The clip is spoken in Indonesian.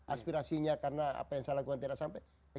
aspirasinya karena apa yang salah gue tidak sampaikan